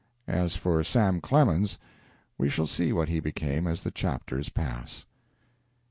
As for Sam Clemens, we shall see what he became as the chapters pass.